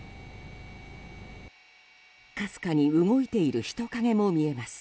かすかに動いている人影も見えます。